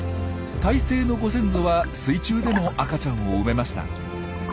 胎生のご先祖は水中でも赤ちゃんを産めました。